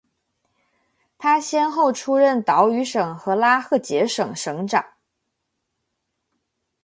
他先后出任岛屿省和拉赫杰省省长。